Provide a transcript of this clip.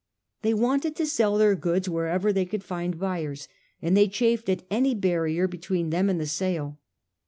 They wanted to sell their goods wherever they could find buyers, and they chafed at any. barrier between them and the sale.